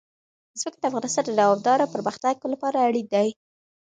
ځمکه د افغانستان د دوامداره پرمختګ لپاره اړین دي.